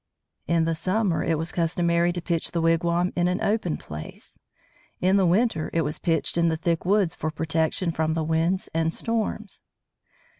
In the summer it was customary to pitch the wigwam in an open place. In the winter it was pitched in the thick woods for protection from the winds and storms.